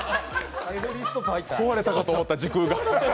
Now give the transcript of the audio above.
壊れたかと思った、時空が。